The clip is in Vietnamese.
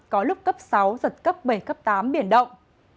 có lúc cấp sáu giật cấp bảy cấp tám biển động